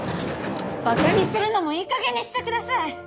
バカにするのもいいかげんにしてください！